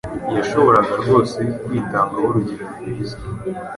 Yashoboraga rwose kwitangaho urugero rwiza